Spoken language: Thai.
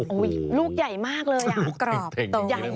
โอ้โหลูกใหญ่มากเลยอ่ะ